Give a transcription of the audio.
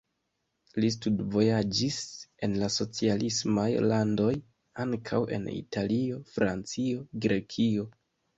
Li studvojaĝis en la socialismaj landoj, ankaŭ en Italio, Francio, Grekio.